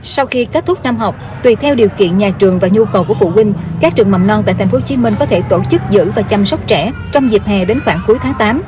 sau khi kết thúc năm học tùy theo điều kiện nhà trường và nhu cầu của phụ huynh các trường mầm non tại tp hcm có thể tổ chức giữ và chăm sóc trẻ trong dịp hè đến khoảng cuối tháng tám